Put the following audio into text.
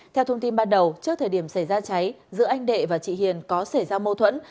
theo thông tin ban đầu trước thời điểm xảy ra cháy giữa anh đệ và chị hiền có xảy ra mâu thuẫn